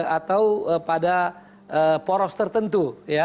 atau pada poros tertentu